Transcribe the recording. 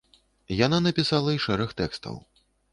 Яна напісала і шэраг тэкстаў.